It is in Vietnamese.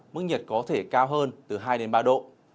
mức nhiệt có thể cao hơn từ hai đến ba độ